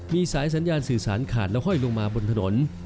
มีสายสัญญาณสื่อสารขาดแล้วห้อยลงมาบนถนน